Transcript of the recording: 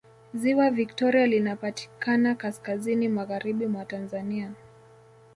Ziwa Viktoria linapatikanankaskazini Magharibi mwa Tanzania